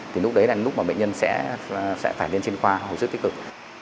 thì lúc đấy là lúc mà bệnh nhân sẽ phải lên trên khoa hữu sức tích cực